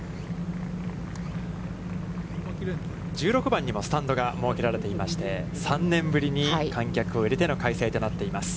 １６番にもスタンドが設けられていまして、３年ぶりに観客を入れての開催となっています。